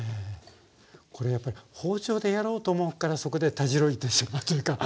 これやっぱり包丁でやろうと思うからそこでたじろいでしまうというかハハッ。